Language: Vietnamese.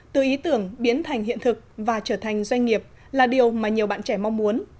từ ý tưởng biến thành hiện thực và trở thành doanh nghiệp là điều mà nhiều bạn trẻ mong muốn